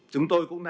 chúng tôi cũng đã